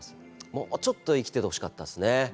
もうちょっと生きていてほしかったですね。